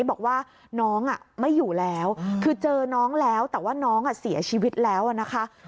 บอกว่าน้องไม่อยู่แล้วคือเจอน้องแล้วแต่ว่าน้องเสียชีวิตแล้วนะคะ